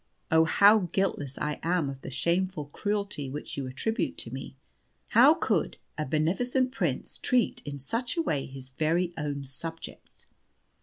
Oh, how guiltless am I of the shameful cruelty which you attribute to me! How could a beneficent prince treat in such a way his very own subjects.